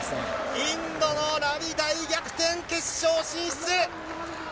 インドのラビ大逆転、決勝進出。